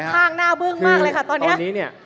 ข้างหน้าเบื้องมากเลยค่ะตอนนี้